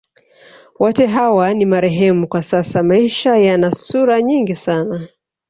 Wote hawa ni marehemu kwa sasa Maisha yana sura nyingi sana